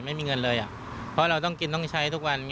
ไม่มีเงินเลยเพราะเราต้องกินต้องใช้ทุกวัน